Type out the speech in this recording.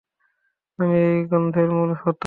আমিই এই গন্ধের মূল হোতা।